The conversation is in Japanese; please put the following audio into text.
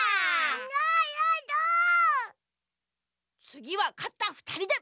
つぎはかったふたりで。